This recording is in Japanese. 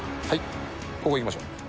はい。